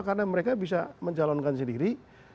karena mereka bisa mencalonkan sendiri